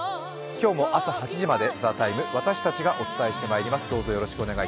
今日も朝８時まで「ＴＨＥＴＩＭＥ，」、私たちがお伝えしてまいります。